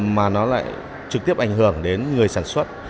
mà nó lại trực tiếp ảnh hưởng đến người sản xuất